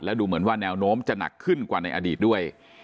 ดูเหมือนว่าแนวโน้มจะหนักขึ้นกว่าในอดีตด้วย